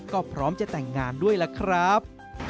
ก็พร้อมจะแต่งงานด้วยล่ะครับ